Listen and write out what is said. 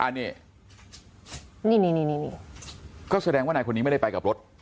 อันนี้นี่ก็แสดงว่านายคนนี้ไม่ได้ไปกับรถ